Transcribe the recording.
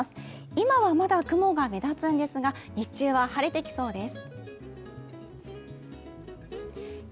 今はまだ雲が目立つんですが、日中は晴れてきそうです。